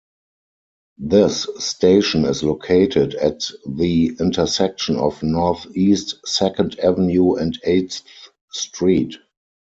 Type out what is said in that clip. This station is located at the intersection of Northeast Second Avenue and Eighth Street.